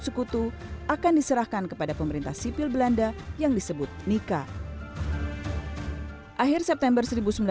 sekutu akan diserahkan kepada pemerintah sipil belanda yang disebut mika akhir september seribu sembilan ratus empat puluh lima